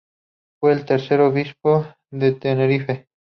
Fue el tercer obispo de Tenerife.